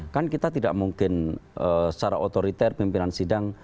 kan kita tidak mungkin secara otoriter pimpinan sidang